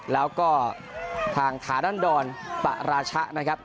แล้วก็ทางฐานันดรปะราชะนะครับ